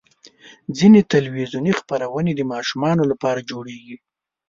ځینې تلویزیوني خپرونې د ماشومانو لپاره جوړېږي.